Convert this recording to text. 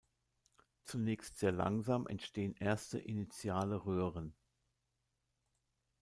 Zunächst sehr langsam entstehen erste initiale Röhren.